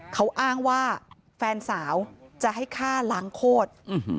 เขาอ้างว่าแฟนสาวจะให้ฆ่าล้างโคตร